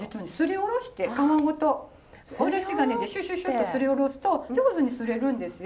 おろし金でシュシュシュッとすりおろすと上手にすれるんですよ。